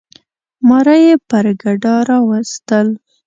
ماره یي پر ګډا راوستل.